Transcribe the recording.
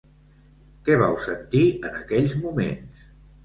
Què vau sentir en aquells moments?